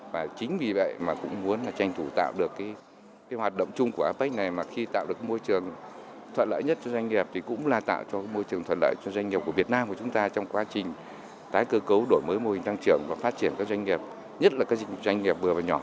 và chính vì vậy mà cũng muốn là tranh thủ tạo được cái hoạt động chung của apec này mà khi tạo được môi trường thuận lợi nhất cho doanh nghiệp thì cũng là tạo cho môi trường thuận lợi cho doanh nghiệp của việt nam của chúng ta trong quá trình tái cơ cấu đổi mới mô hình tăng trưởng và phát triển các doanh nghiệp nhất là các dịch vụ doanh nghiệp vừa và nhỏ